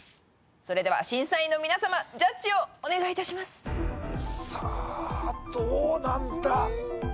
それでは審査員の皆さまジャッジをお願いいたしますさあどうなんだ？